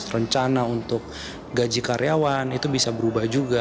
rencana untuk gaji karyawan itu bisa berubah juga